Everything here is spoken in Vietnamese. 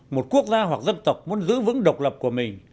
một quốc gia hoặc dân tộc muốn giữ vững độc lập của mình